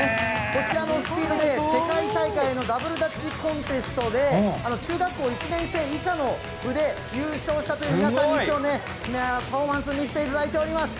こちらのスピードで世界大会のダブルダッチコンテストで、中学校１年生以下の部で優勝したという皆さんにきょうパフォーマンスを見せていただいています。